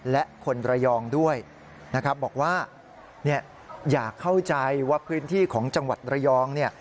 และคนระยองด้วยนะครับบอกว่าเนี่ยอย่าเข้าใจว่าพื้นที่ของจังหวัดระยองเนี่ย